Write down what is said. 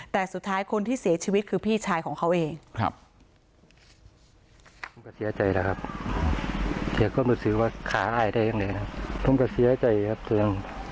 แต่สุดท้ายคนที่เสียชีวิตคือพี่ชายของเขาเอง